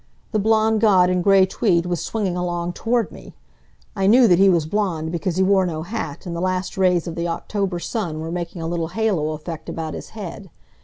The blond god in gray tweed was swinging along toward me! I knew that he was blond because he wore no hat and the last rays of the October sun were making a little halo effect about his head.